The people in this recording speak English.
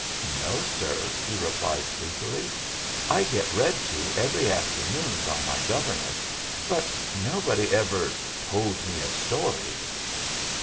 "No, sir," he replied sleepily; "I get read to every afternoon by my governess, but nobody ever told me a story."